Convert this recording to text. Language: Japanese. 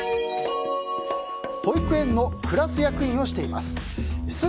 保育園のクラス役員をしています。